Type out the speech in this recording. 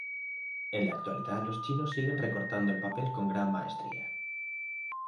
En la actualidad los chinos siguen recortando el papel con gran maestría.